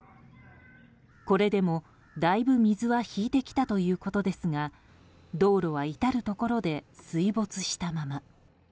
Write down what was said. これでもだいぶ水は引いてきたということですが道路は至るところで水没したまま。